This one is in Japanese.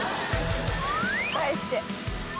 返して。